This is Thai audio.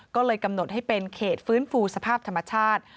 ก็เลยกำหนดให้เป็นเขตฟื้นฟูสภาพธรรมชาติ